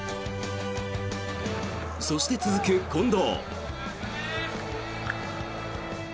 そして続く近藤。